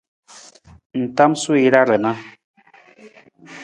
Ng tamasuu jara rana.